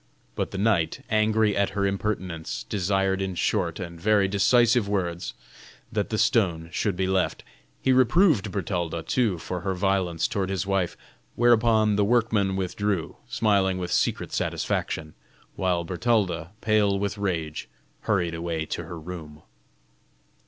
But the knight, angry at her impertinence, desired in short and very decisive words that the stone should be left: he reproved Bertalda, too, for her violence toward his wife. Whereupon the workmen withdrew, smiling with secret satisfaction: while Bertalda, pale with rage, hurried away to her room.